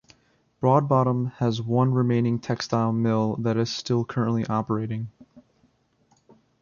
Broadbottom has one remaining textile mill that is still currently operating.